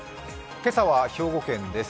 今朝は兵庫県です。